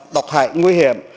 độc hại nguy hiểm